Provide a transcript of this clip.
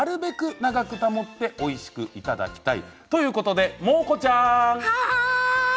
長く保っておいしくいただきたいということではーい！